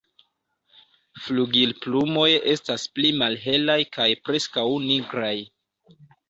Flugilplumoj estas pli malhelaj kaj preskaŭ nigraj.